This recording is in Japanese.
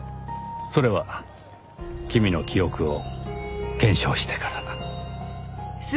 それは君の記憶を検証してから。